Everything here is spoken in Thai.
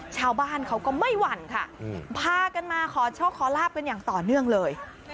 ชาวบ้านเขาก็ไม่หวั่นค่ะพากันมาขอโชคขอลาบกันอย่างต่อเนื่องเลย